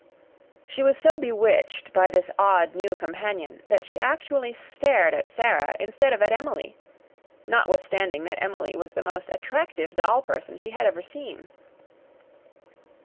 She was so bewitched by this odd, new companion that she actually stared at Sara instead of at Emily notwithstanding that Emily was the most attractive doll person she had ever seen.